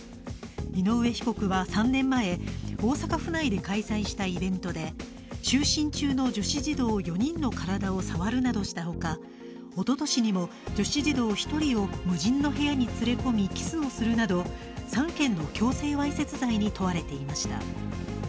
井上被告は３年前、大阪府内で開催したイベントで就寝中の女子児童４人の体を触るなどしたほかおととしにも、女子児童１人を無人の部屋に連れ込みキスをするなど、３県の強制わいせつ罪に問われていました。